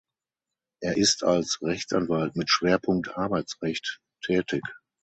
Er ist als Rechtsanwalt mit Schwerpunkt Arbeitsrecht tätig.